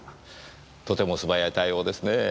とても素早い対応ですねぇ。